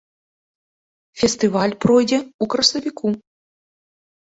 Фестываль пройдзе ў красавіку.